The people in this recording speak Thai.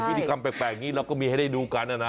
วิธีคัมเป็นแบบนี้เราก็มีให้ได้ดูกันอะนะ